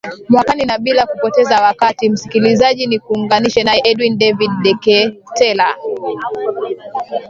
mwakani na bila kupoteza wakati msikilizaji nikuunganishe naye edwin david deketela